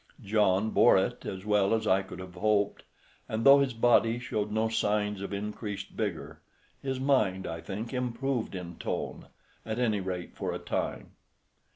John bore it as well as I could have hoped, and though his body showed no signs of increased vigour, his mind, I think, improved in tone, at any rate for a time.